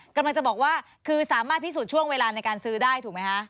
กำลังจะบอกว่าคือสามารถพิสูจน์ช่วงเวลาในการซื้อได้ถูกไหมคะ